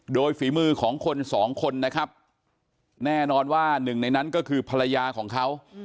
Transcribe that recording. โดยฝีมือของคนสองคนนะครับแน่นอนว่าหนึ่งในนั้นก็คือภรรยาของเขา